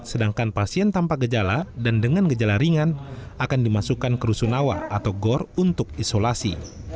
sedangkan pasien tanpa gejala dan dengan gejala ringan akan dimasukkan ke rusunawa atau gor untuk isolasi